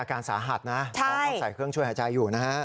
อาการสาหัสนะน้องก็ใส่เครื่องช่วยหายใจอยู่นะฮะ